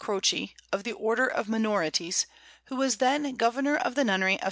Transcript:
Croce, of the Order of Minorites, who was then Governor of the Nunnery of S.